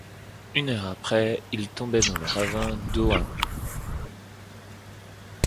Une heure après, il tombait dans le ravin d’Ohain.